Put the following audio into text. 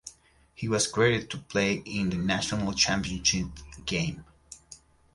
He was cleared to play in the National Championship Game.